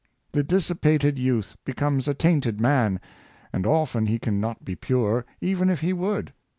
The dissipated youth becomes a tainted man; and often he can not be pure, even if he would.